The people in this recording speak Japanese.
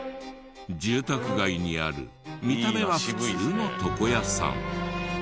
住宅街にある見た目は普通の床屋さん。